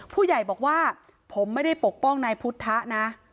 ผู้ใหญ่บอกว่าผมไม่ได้ปกป้องนายพุทธะนะ